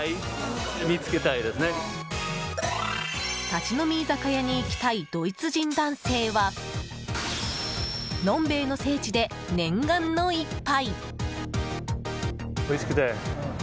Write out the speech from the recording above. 立ち飲み居酒屋に行きたいドイツ人男性はのんべえの聖地で念願の一杯！